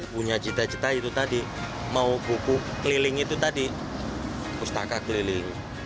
punya cita cita itu tadi mau buku keliling itu tadi pustaka keliling